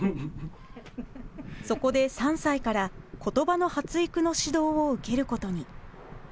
そこで３歳からことばの発育の指導を受けることに。